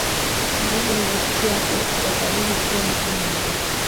Maji ni rafiki yako wa karibu hupendi kunywa maji